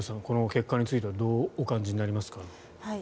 この結果についてはどうお感じになりますか。